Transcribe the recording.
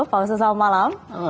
pak oso selamat malam